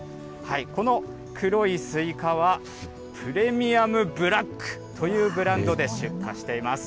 この黒いスイカは、プレミアムブラックというブランドで出荷しています。